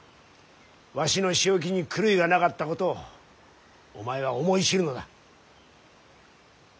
わしの仕置きに狂いがなかったことをお前は思い知るのだ。